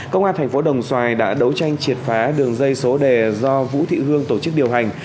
công an thành phố đồng xoài đã đấu tranh triệt phá đường dây số đề do vũ thị hương tổ chức điều hành